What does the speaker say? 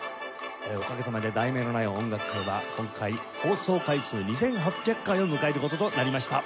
おかげさまで『題名のない音楽会』は今回放送回数２８００回を迎える事となりました。